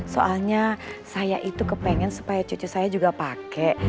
soalnya saya itu kepengen supaya cucu saya juga pakai